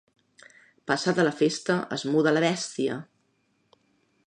Passada la festa es muda la bèstia.